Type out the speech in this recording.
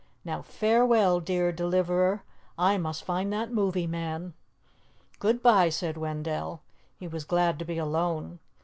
Now farewell, dear Deliverer. I must find that movie man." "Good bye," said Wendell. He was glad to be alone.